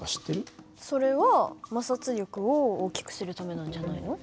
それは摩擦力を大きくするためなんじゃないの？